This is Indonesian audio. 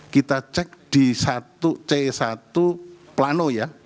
kita cek di satu c satu plano ya